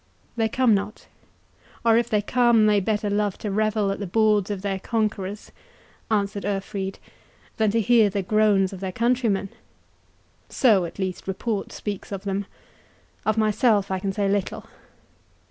"They come not—or if they come, they better love to revel at the boards of their conquerors," answered Urfried, "than to hear the groans of their countrymen—so, at least, report speaks of them—of myself I can say little.